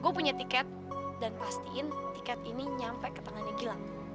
gue punya tiket dan pastiin tiket ini nyampe ke tangannya gilang